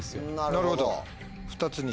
なるほど。